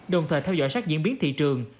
đồng thời theo dõi sát diễn biến thị trường